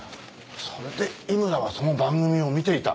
それで井村はその番組を見ていた。